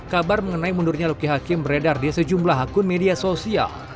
kabar mengenai mundurnya luki hakim beredar di sejumlah akun media sosial